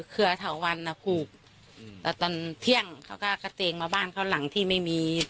เครือเถาวันน่ะผูกอืมแต่ตอนเที่ยงเขาก็กระเตงมาบ้านเขาหลังที่ไม่มี